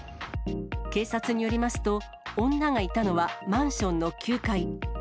警察によりますと、女がいたのはマンションの９階。